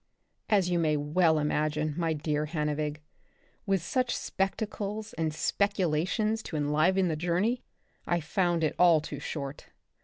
As you may well imagine, my dear Hannevig, with such spectacles and speculations to enliven the journey, I found it all too short.